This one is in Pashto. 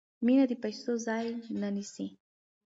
مینه د پیسو ځای نه نیسي.